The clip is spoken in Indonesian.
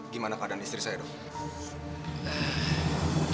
gimana keadaan istri saya dok